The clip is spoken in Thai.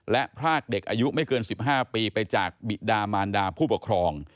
และพรากเด็กอายุไม่เกิน๑๕ปีไปจากบิดามานดาผู้ปกครอง